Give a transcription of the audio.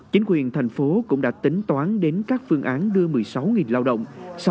chính quyền thành phố cũng đã tính toán đến các phương án đưa một mươi sáu lao động